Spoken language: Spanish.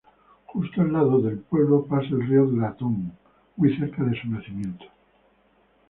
Justo al lado del pueblo pasa el río Duratón, muy cerca de su nacimiento.